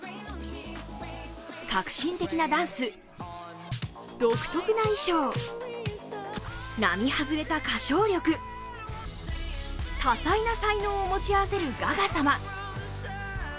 革新的なダンス、独特な衣装、並外れた歌唱力、多彩な才能を持ち合わせるガガ様。